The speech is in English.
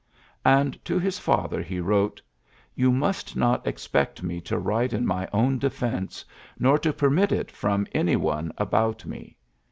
'' And to his father '. wrote: "You must not expect me write in my own defence, nor to pern it from any one about me.